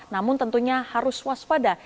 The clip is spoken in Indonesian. namun tentunya harus waspada